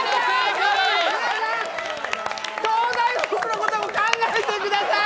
「東大王」のことも考えてください！